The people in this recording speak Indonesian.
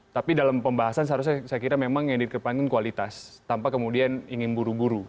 tapi dalam pembahasan seharusnya saya kira memang yang dikepangkan kualitas tanpa kemudian ingin buru buru